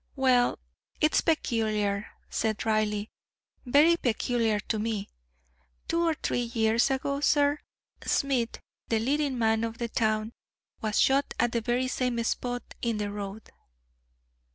"Well, it's peculiar," said Reilly, "very peculiar to me. Two or three years ago, sir, Smith, the leading man of the town, was shot at the very same spot in the road."